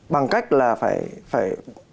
bằng cách là phải